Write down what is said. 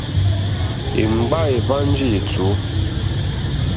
Èmgbâ èhwánjì ètùú.